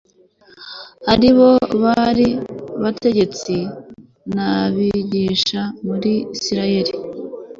ari bo bari abategetsi n'abigisha muri isirayeli